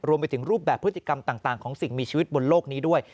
รวมไปถึงรูปแบบพฤติกรรมต่างของสิ่งมีชีวิตบนโลกนี้ด้วย